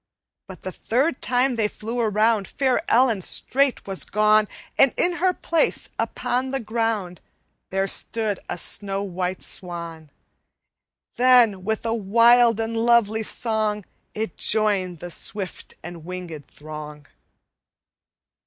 "But the third time they flew around, Fair Ellen straight was gone, And in her place, upon the ground, There stood a snow white swan. Then, with a wild and lovely song, It joined the swift and winged throng.